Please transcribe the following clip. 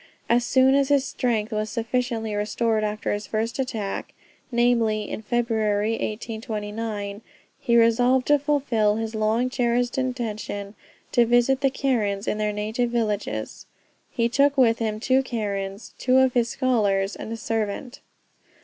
As soon as his strength was sufficiently restored after his first attack, namely, in February 1829, he resolved to fulfil his long cherished intention to visit the Karens in their native villages. He took with him two Karens, two of his scholars, and a servant.